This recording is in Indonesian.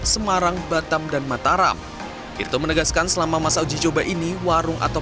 semarang batam dan mataram irto menegaskan selama masa uji coba ini warung atau